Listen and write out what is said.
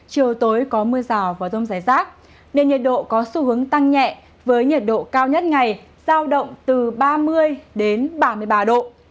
chiều tối có mưa rào và rông rải rác nên nhiệt độ có xu hướng tăng nhẹ với nhiệt độ cao nhất ngày giao động từ ba mươi đến ba mươi ba độ